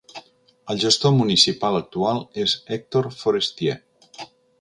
El gestor municipal actual és Hector Forestier.